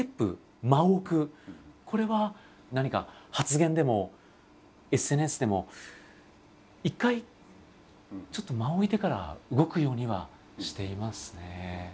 これは何か発言でもＳＮＳでも一回ちょっと間を置いてから動くようにはしていますね。